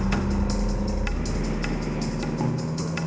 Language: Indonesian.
tidak saya mau jalan